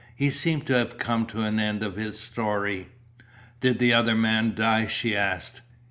He seemed to have come to an end of his story. "Did the other man die?" she asked.